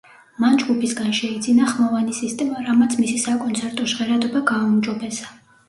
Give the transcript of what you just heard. მან ჯგუფისგან შეიძინა ხმოვანი სისტემა, რამაც მისი საკონცერტო ჟღერადობა გააუმჯობესა.